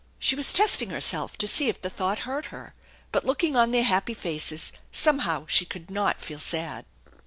" She was testing herself to see if the thought hurt her. But, looking on their hftppy faces, somehow she could not feel sad.